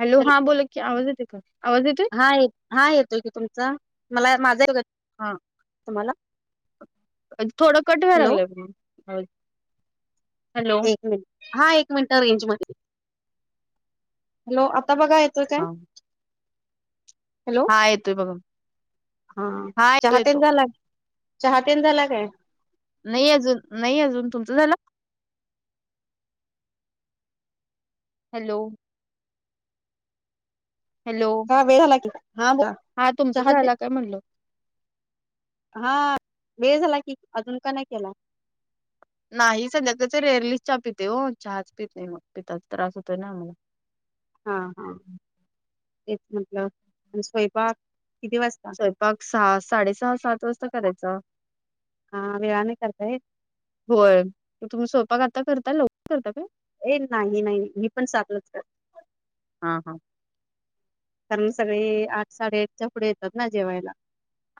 Hello हा बोला की आवाज येतो का आवाज येतय. हा हा येतोय की तुमचा मला माझ हा. तुम्हाला. थोडं कट व्यायला हॅलो लागलंय पण हॅलो. एक हा एक मिनिट रेंज मध्ये हॅलो आता बघा येतोय काय. हा हॅलो हा येतोय बघा हा येतो चहाहतेन येतो झाला? चहा तीन झाला काय? नाही अजून नाही अजून तुमचं झालं? हॅलो हॅलो हा बोला हा तुमचं झाला काय म्हणल? हा वे झाला की अजून का नाही केला? नाही सध्याकच रेयरलीच चहा पिते हो चहाच पिते मग पिताचचा त्रास होतोय ना आ मला. हा हा तेच म्हटलं आणि स्वयंपाक किती वाजत? पाग सहा साडे सहा सात वाजता करायचा. हा वेळा न करताय. होय तुम्ही स्वयपाक आता करता लवकर करता काय. ए नाही नाही मी पण साधलच का हा हा कारण सगळी आठ साडेआठच्या पुढे येतात ना जेवायला.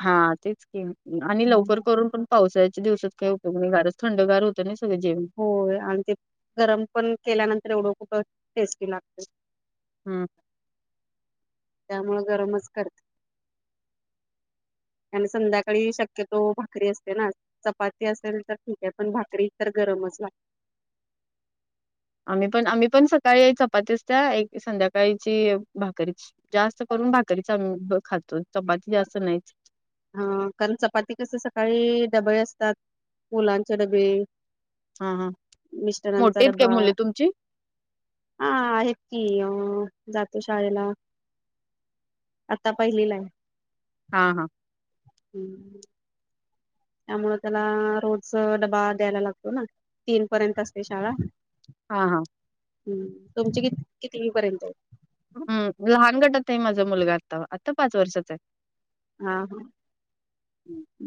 हा तेच के आणि लवकर करून पण पावसाच्या दिवसात काही उपयोग नाही घारच थंडगार होतं ना सगं जेवण होय आणि ते गरम पण केल्यानंतर एवढं खूप टेस्टी लागते. हम त्यामुं गरमच करते. आणि संध्याकाळी शक्यतो भाकरी असते ना. चपाती असेल तर ठीक आहे पण भाकरी तर गरमच लागते. आम्ही पण आम्ही पण सकाळी चपातीस त्या एक संध्याकाळीची भाकरीची. जास्त करून भाकरी च खातो चपाती जास्त नाहीच. हा कारण चपाती कस सकाळी डबे असतात मुलांचे डबे. हा हा मिस्टरांचा मोठीेत काय डबा मुले तुमची? हा आहेत की अ जातो शाळेला. आता पहिली ला आहे. हा हा हम्म त्यामु त्याला रोज डबा द्यायला लागतो ना तीन पर्यंत असते शाळा. हा हा हम्म तुमची किती किती पर्यंत हम्म लहान गटात आहे माझा मुलगा आता आता पाच वर्षाचा आहे. हा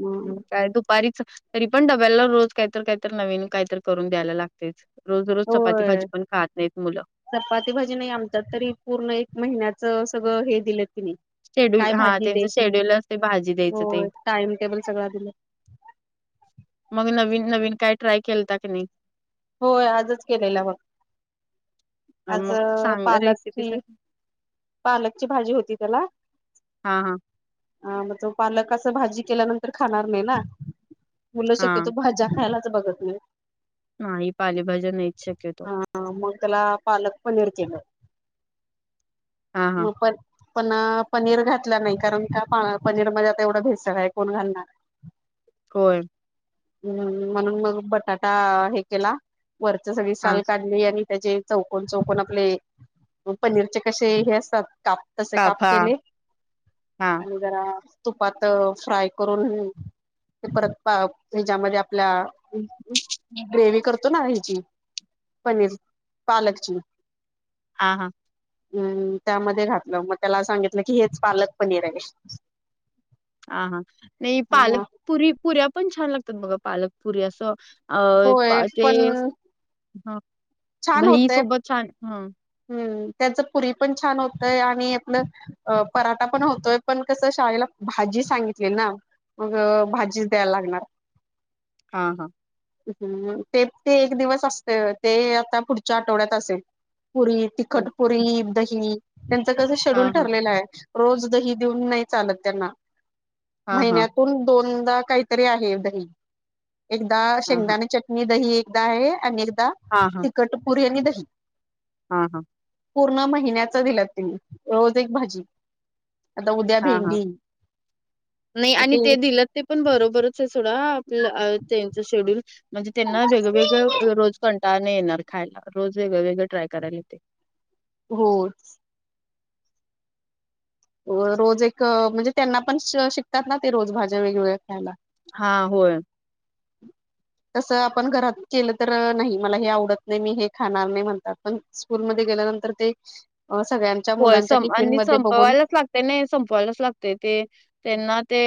मग काय दुपारीच तरी पण डब्याला रोज काहीत काही तर नवीन काहीत करून द्यायला लागत. रोज रोज चपाती होय भाजी पण खात नाहीत मुलं. चपाती, भाजी नाही आवडत तरी पूर्ण एक महिन्याच सगळं हे दिलं तिने शेड्यूल काय हा भाजी त्यांचं द्यायची शेड्यूल अस ते भाजी द्यायचं ते होय टाइम टेबल सगळं दिलं. मग नवीन नवीन काय ट्राय केलता की नाही? होय आजच केलेलं मग अ, आज मग सांग रेसिपी पालकची सांग पालकची भाजी होती त्याला हा हा ह मग तो पालकाच भाजी केल्यानंतर खाणार नाही ना मुलं हा शक्यतो भाजी खायलाच बघत नाही. नाही ह पालेभज्या नाहीच शक्यत. हा मग त्याला पालक पनीर केलं हां, हां. मग प पण पनीर घातला नाही कारण का पनीर मध्ये आता एवढं भेसकय कोण घालणार. [inaudible] होय. हम्म म्हणून मग बटाटा हे केला वरच सगळी हां, साल काढ आणि त्याचे चौकन चौकन आपले पनीरचे कसे हे असतात काप. तसे काप काफा केले हां, आणि जरा तुपात फ्राय करून ते परत ह्याच्यामध्ये आपल्या ग्रेव्हीतं करतो ना हेची पनीर पालकची. हा हा. हम्म त्यामध्ये घातलं मग त्याला सांगितलं की हेच पालक पनीर आहे. [inaudible] ह हा नाही ह पालकपुरी पुऱ्या पण छान लागतात मग पालकपुरी असं. अ होय पण ते ह छान दही होतय सोबत छान ह. हम्म त्याच पुरी पण छान होतय आणि आपलं अ पराठा पण होतोय पण कसं शाळेला भाजी सांगितली ना. मग भाजीच द्यायला लागणार. हा हा. हम्म ते ते एक दिवस असते ते आता पुढच्या आठवड्यात असेल. पुरी हं. तिखटपुरी दही त्यांचं कसं शेड्यूल हां, हां, ठरलेलं आहे. रोज दही देऊन नाही चालत त्यांना हां, हां, महिन्या तुन दोनदा काहीतरी आहे दही एकदा हां, हां, शेंगदाणे चट णी दही एकदा आहे आणि एकदा हां, तखटपुरी आणि दही. हा हा. पूर्ण महिन्याच दिल्यात त्यांनी रोज एक भाजी. आता उद्या हा हा भेंडी नाही आणि ते दिलं ते पण बरोबरच आहे सोडा आपलं त्यांच शेड्यूल. म्हणजे त्यांना वेगवेगळं रोज कंटाळने येणार खायला रोज वेगवेगळं ट्राय करायला येतं. हो रोज एक म्हणजे त्यांना पण शिकतात ना ते रोज भाज्या वेगवेगळ्या खायला. हा होय. [inaudible] तसं आपण घरात केलं तर नाही मला हे आवडत नाही मी हे खाणार नाही म्हणतात. पण स्कूलमध्ये गेल्यानंतर ते सगळ्यां होय सं आणि संपवायलाच लागत नाही संपवायलाच लागतेय ते. त्यांना ते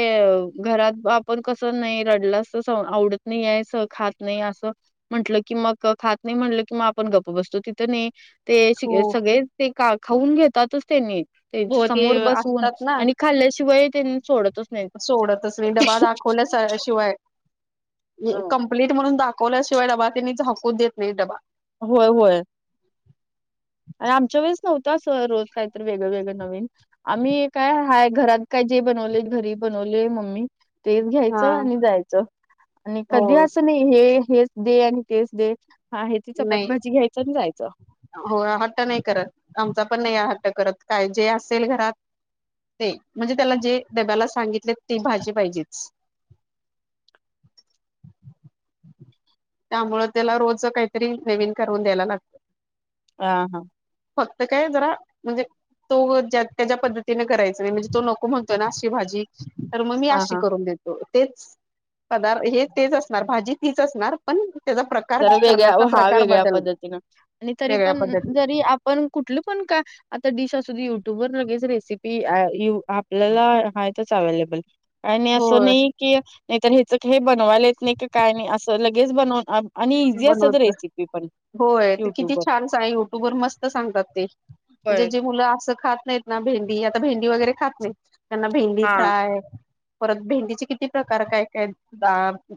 घरात आपण कस नाही रडलंस आवडत नाही आहे स खात नाही असं. म्हटलं की मग खात नाही म्हटलं कि मग आपण गप्प बसतो तिथं नाही. ते हो सगळे ते खाऊन घेतातच त्यांनी हो ते समोर बसून असतात ना आणि खाल्याशिवाय त्यांनी सोडत सोडतच नाही डबा दाखवल्या शिवाय हं. कंप्लीट म्हणून दा खवल्याशिवाय त्याने डब्बा झाकू देत नाही डबा. होय होय. आणि आमच्या वेळेस नव्हतं अस रोज काही तर वेगळं वेगळं नवीन. आम्ही काय हाय घरात काय जे बनवले घरी बनवले मम्मी तेच हा घ्यायचं आणि जायचं आणि हो कधी असं नाही हे हेच दे आणि तेस दे हा आहे ती चपाती नाही भाजी घ्यायच आणि जायचं. हो हट्ट नाही करत आमचा पण नाही हट्ट करत काय जे असेल घरात ते म्हणजे त्याला जे डब्याला सांगितले ती भाजी पाहिजेच. त्यामुळ त्याला रोजचं काही तरी नवीन करून द्यायला लागत. ह हा. फक्त काय जरा म्हणजे.. तो ज्या त्या्या पद्धतीने करायचा नाही म्हणजे तो नको म्हणतोय ना अशी भाजी. तर मग मी हा अशी हा करून देतो तेच पदार्थ हे तेच असणार भाजी तीच असणार.. पण त्याचा प्रकार जरा वेगळ्या करण्यात-. हा वेगळ्या पद्धतीनं आणि तरी वेगळ्या पण पद्धती जरी आपण कुठलं पण काय,. आता डिश असुध युट्यूब वर लगेच रेसिपी आपल्याला हच अवेलेबल. आणि असं होय नाही की नाहीतर हेच हे बनवायलाेत नाही का का नाही असं लगेच बनव. इझि अस बनवत रेसिपी. होय तर किती युट्यूब वर. छान युट्यूब वर मस्त सांगतात ते. म्हणजे होय जे मुलं असं खात नाही. ना भेंडी आता भेंडी वगैरे खात नाही त्यांना भेंडी हा फ्राय. परत भेंदीचे किती प्रकार काय काय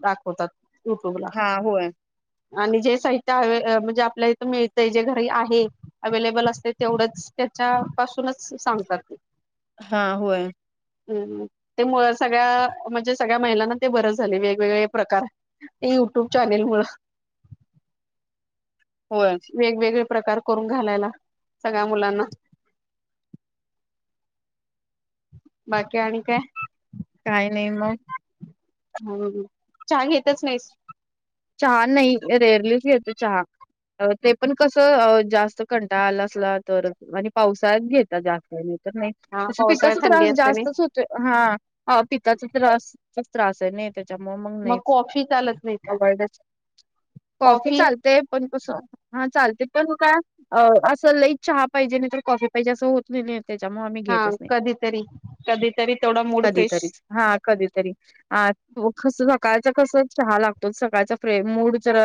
दाखवतात युट्यूबवर. ह होय. आणि जे साहित्य आहे म्हणजे आपल्याला इथं मिळतंय जे घरी आहे. अवेलेबल असते तेवढंच त्याच्या पासूनच सांगतात ते. हा होय. हम् ते मु सगळ्या म्हणजे सगळ्या महिलांना ते बरंच झाले वेगवेगळे प्रकार. ते युट्यूब चॅनेल मु. होच. वेगवेगळे प्रकार करून घालायला सगळ्या मुलांना. बाकी आण काय. काही नाही मग. हम् चहा घेतच नाहीस. चहा नाही रेरलीच येते चहा. ते पण कसं जास्त कंटाळाला असला तर आणि पावसात घेेतात जास्त नाही तर नाही. हा त पताचा पावसाळ्यात थंडी त्रास असते नाही जास्तच होतो हा हा पताचा त्रास त्रास आहे नाही. त्याच्यामुळे मग नाही कॉफी चालत नाही का आवड कॉफी चालते. प कस [inaudible] हा चालते पण का अ असं लईत चहा पाहिजे नाही तर कॉफी पाहिजे असं होत नाही नाही. ते जम आमही. हा घेतच कधीतरी कधीतरी तेथोडा मूड फेश. कधीतरीच हा कधीतरीस सकाळच कस चहा लागतो सकाळच्या. मूड जर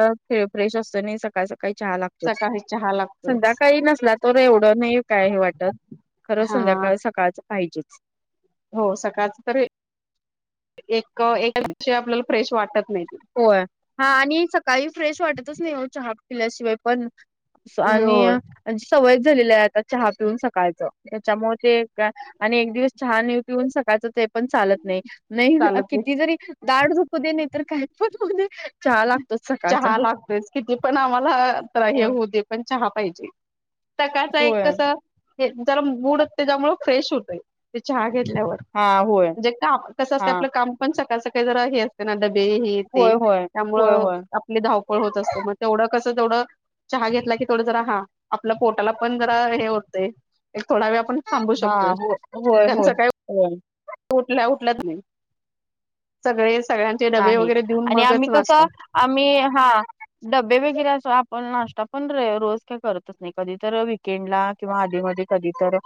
फ्रेश असतो नाही सकाळी सकाळी चहा लागत. सकाळी चहा लागतोयच संध्याकाळी नसला. तर एवढं नाही काय हे वाटत खरं हा संध्याकाळ सकाळच पाहिजे. हो सकाळच तर एक एका विषय आपल्याला फ्रेश वाटत नाही. होय हा आणि सकाळी फ्रेश वाटतच नाही हो चहा पिल्याशिवाय पण. ते आणि होय म्ह सवयच झालेली आहे आता चहा पिऊन सकाळच. त्याच्यामुळे ते आणि एक दिवस छान पिऊन सकायचं ते. पण चालत नाही नाही चालत नाही किती जरी दा झप नाही तर का पण. चहा लागतोच. सकाळचा. चहा लागतेच किती पण आम्हाला तर हे होय होऊ दे पण चहा पाहिजे. तकाच एक होय कसं. हे त्याला मूड असं त्यामुळे फ्रेश होतय ते चहा घेतल्यावर. हा होय म्हणजे काम कसं हा असते आपलं काम. पण सकाळ सकाळी जरा हे असते ना डबे हे येते होय होय होय त्यामुळं. होय आपली धावपळ होत असते मग तेवढं कसं तेवढं. चहा घेतला की थोड जरा हा आपल्या पोटाला पण जरा हे होत. एक थोडा वेळ आपण थांबू हा शकतोय होय त्यांच होय काय. हो. उठल्या उठल्यात नाही सगळे सगळ्यांचे डबे नाही वगैरे देऊन आणि आम्ही मगच कसं नाशता. आम्ही हा डबे वगैरे असो आपण नाश्ता पण रोज काय करतो. कधी तर विकेंड ला किंवा आधी मधी कधी तर.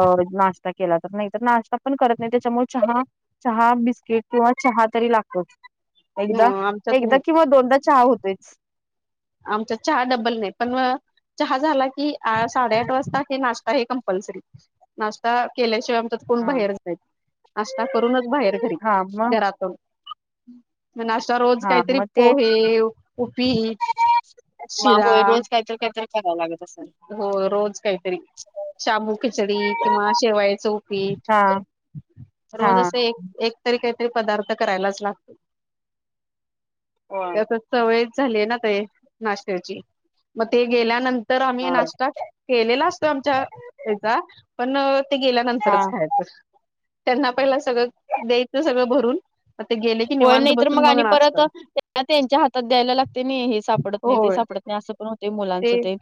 अ नाश्ता केला तर नाही तर नाश्ता पण करत नाही त्याच्यामुळे चहा. चहा बिस्किट किंवा चहा तरी लागते. एकदा, आमच्यात एकदा नाही किंवा दोनदा चहा होतोय. आमच्या चहा डब्बल नाही पण म. चहा झाला की साडेआठ वाजता हे नाश्ता हे कंपल्सरीश्. ता केल्याशिवाय आ कोण हा बाहेर जाय. नाश्ता करूनच बाहेर घरी हा मग घरातून. म्हण अशा रोज हा काहीतरी मग ते पोहे उपी. माग होय रोज काहीतर काहीतर करायला लागत असेल. हो रोज काहीतरी शांभू खिचडी किंवा शेवायाचं उपीठ. हा हा रोज असं एक एक. त काहीतरी पदार्थ करायलाच लागत होय त्या. सवय झाली ना ते नाश्त्याची मग ते गेल्यानंतर. आम्ही हा नाश्ता केलेला असतो आमच्या त्याचा पण ते हा गेल्यानंतरच खायच‌. त्यांना पहिला सगळं द्यायचं सगळं भरून. गेले. होय निवांत नाही तर बसून मग आणि नाचत परत त्यांच्या हातात द्यायला लागते नाही हे सापडत नाही ते होय सापडत असं पण होते मुलांच ते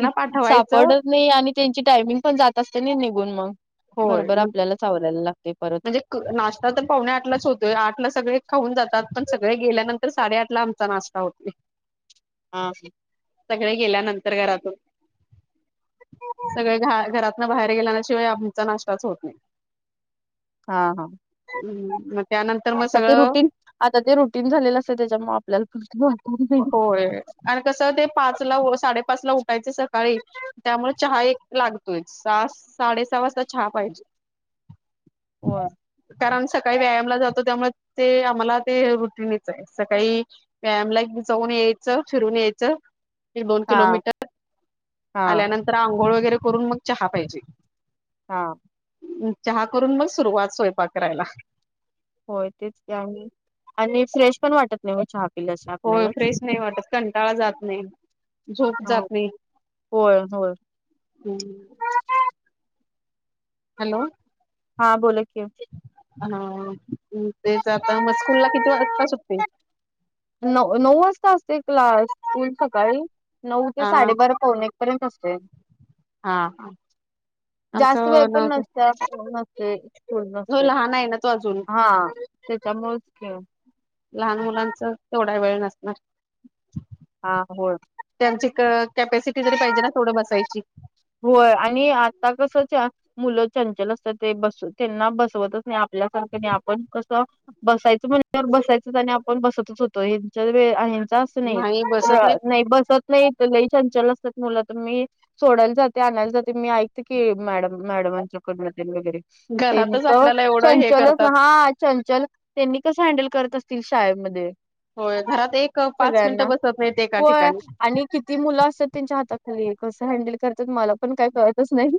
त पाठवायचं सापड. नाही आणि त्यांची टायमिंग पण जात असते ना निघून मग होय बरोबर आपल्याला चावलायला लागते परत. म्हणजे नाश्ता तर पावणे आठ लाच होतोय आठ ला सगळे खाऊन जातात पण सगळे गेल्यानंतर साडेआठ ला आमचा नाश्ता. होते. हा. सगळे गेल्यानंतर घरातून. सगळे घ घरातनं बाहेर गेल्यानाशिवाय आमचा नाश्ताच होत नाही. हा हा. हम्म. आता ते रुटीन आता ते रुटीन झालेलं असते त्याच्यामुळे आपल्याला. वाटत नाही होय आणि कसं ते पाच ला साडेपाच ला उठायच सकाळी. त्यामुळे चहा एक लागतोय सहा साडेसहा वाजता चहा पाहिजे. [inaudible] होय. कारण सकाळी व्यायामला जातो त्यामुळे ते आम्हाला ते रुटीनीच आहे सकाळी. वायम लाग. जाऊन यायच फिरून यायचं एक दोन हा किलोमीटर हा आल्यानंतर. अंघोळ वगैरे करून मग चहा पाहिजे. हा. चहा करून मग सुरुवात सोयंपाक करायला. होय तेच आणि फ्रेश पण वाटत नाही मग हा. हो फ्रेश नाही वाटत कंटाळा जात नाही झोप हा जात नाही. होय होय. हम्म. हॅलो. हा बोलात की. हा तेच आता मग स्कूल ला किती वाजता सुटते. न नऊ वाजता असते क्लास स्कूल सकाळी नऊ ते हा साडेबारा. पोन एक पर्यंत असते. हा हा. [inaudible] जास्त वय आमचं पण नव्हतं नसत नसते. ख हो नसते लहान आहे ना तो अजून हा त्याच्यामुळेच खे लहान मुलांचं तेवढा वेळ नसणार हा होळ त्यांची कॅपॅसिटी जरी पाहिजे ना थोडं बसायची होय आणि आता कसच मुलं चंचल असतात ते बस त्यांना बसवतच नाही आपल्यासारखे नाही आपण कसं बसायचं म्हणज बसायचंच आणि आपण बसतच होतो हचा वेळचा नाही नाही बसत नाही लई चंचल असतात मुलं तर मी सोडायला जाते आणायला जाते मी ऐकते की मॅड मॅडमांच्याकडूनम वगैरे ते नाही घरातच तर आपल्याला एवढं हे चंचलच करतात हा चंचल त्यांनी कसं हँडल करत असतील शाळेमध्ये होय घरात एक पाच मिनिटं बसत नाहीत एका ठिकाणी ती मुलं असतात त्यांच्या हाताखाली कसं हँडल करतात मला पण काय कळतच नाही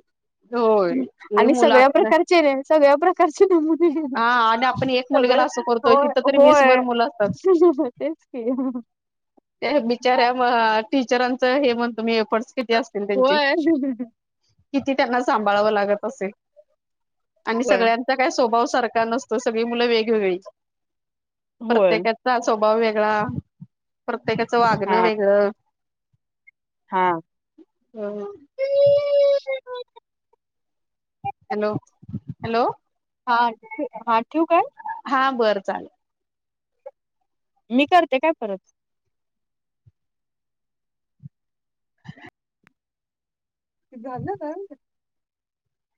होय लई आणि मुलं सगळ्या आता प्रकारचे र सगळ्या प्रकार करचे नमुने हा आणि आपण एक मुलग्याला सगळ असं करतोय होय तिथं तरी होय वीसभर मुलं असतात तेच क त्या बिचाऱ्या टीचरांच हे म्हण तुम्ही एफर्स किती असतील त्यांची होय किती त्यांना सांभाळावं लागत असेल आणि होय सगळ्यां काही स्वभाव सारखा नसतो सगळी मुलं वेगवेगळी होय प्रत्येकात स्वभाव वेगळा प्रत्येकाचं वागणं हा वेगळं हा हॅलो हॅलो हां हां ठ्यू का हा बरं चालेल मी करते काय परत ते गल कर